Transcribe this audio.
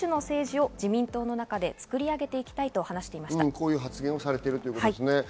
こういう発言をされているということですね。